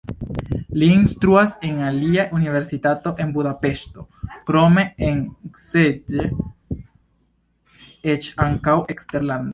Li instruas en alia universitato en Budapeŝto, krome en Szeged, eĉ ankaŭ eksterlande.